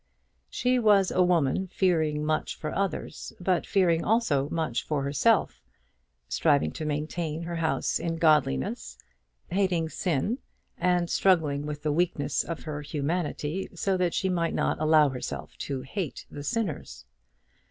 She was a woman fearing much for others, but fearing also much for herself, striving to maintain her house in godliness, hating sin, and struggling with the weakness of her humanity so that she might not allow herself to hate the sinners.